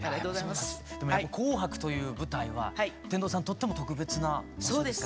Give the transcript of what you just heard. でもやっぱ「紅白」という舞台は天童さんとっても特別な場所ですか？